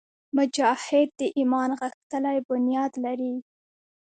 مجاهد د ایمان غښتلی بنیاد لري.